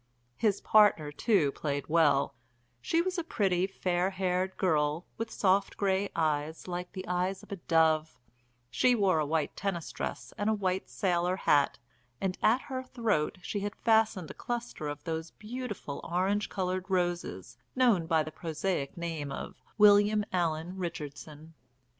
His partner, too, played well; she was a pretty, fair haired girl, with soft grey eyes like the eyes of a dove; she wore a white tennis dress and a white sailor hat, and at her throat she had fastened a cluster of those beautiful orange coloured roses known by the prosaic name of 'William Allan Richardson.'